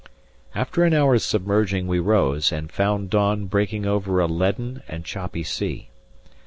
After an hour's submerging we rose, and found dawn breaking over a leaden and choppy sea.